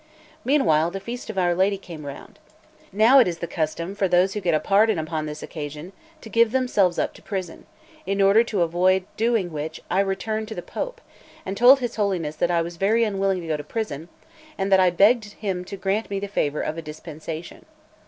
Meanwhile the feast of Our Lady came round. Now it is the custom for those who get a pardon upon this occasion to give themselves up to prison; in order to avoid doing which I returned to the Pope, and told his Holiness that I was very unwilling to go to prison, and that I begged him to grant me the favour of a dispensation.